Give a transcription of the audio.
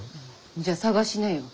じゃあ探しなよ。